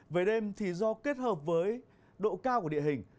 về đêm thì do kết hợp với độ cao của địa hình